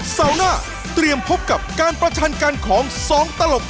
สวัสดีครับ